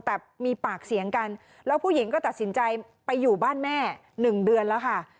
แต่มีปากเสียงกันแล้วผู้หญิงก็ตัดสินใจไปอยู่บ้านแม่๑เดือนแล้วค่ะ